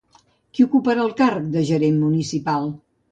Qui ocuparà el càrrec de gerent municipal?